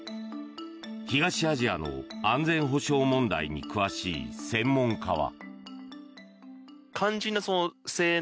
東アジアの安全保障問題に詳しい専門家は。